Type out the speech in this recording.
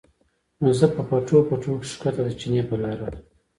نو زۀ پۀ پټو پټو کښې ښکته د چینې پۀ لاره راغلم